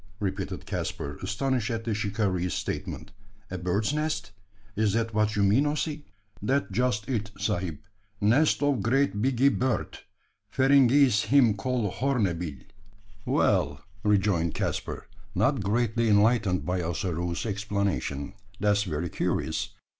repeated Caspar, astonished at the shikaree's statement. "A bird's nest? Is that what you mean, Ossy?" "That just it, sahib. Nest of great biggee bird. Feringhees him call horneebill." "Well," rejoined Caspar, not greatly enlightened by Ossaroo's explanation, "that's very curious.